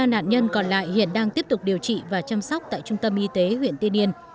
ba nạn nhân còn lại hiện đang tiếp tục điều trị và chăm sóc tại trung tâm y tế huyện tiên yên